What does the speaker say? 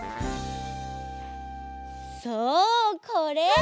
そうこれ！